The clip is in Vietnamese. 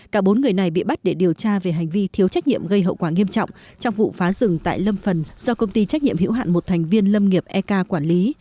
cả bốn người này bị bắt để điều tra về hành vi thiếu trách nhiệm gây hậu quả nghiêm trọng trong vụ phá rừng tại lâm phần do công ty trách nhiệm hữu hạn một thành viên lâm nghiệp ek quản lý